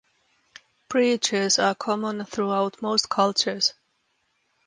Preachers are common throughout most cultures.